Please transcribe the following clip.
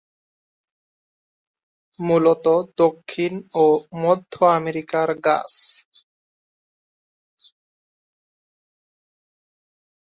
মূলত দক্ষিণ ও মধ্য আমেরিকার গাছ।